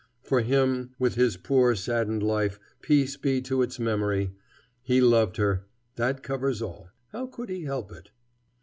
For him, with his poor, saddened life, peace be to its memory! He loved her. That covers all. How could he help it?